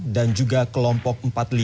dan juga kelompok empat puluh lima